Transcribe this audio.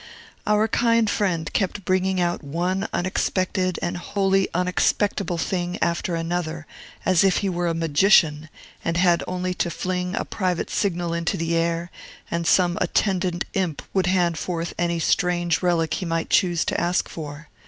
Our kind friend kept bringing out one unexpected and wholly unexpectable thing after another, as if he were a magician, and had only to fling a private signal into the air, and some attendant imp would hand forth any strange relic we might choose to ask for.